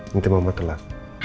nanti mama telah